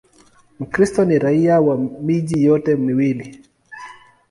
Mkristo ni raia wa miji yote miwili.